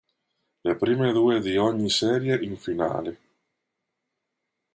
Le prime due di ogni serie in finale.